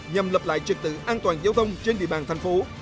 nhằm lập lại trật tự an toàn giao thông trên địa bàn thành phố